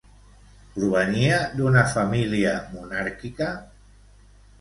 Provenia d'una família monàrquica?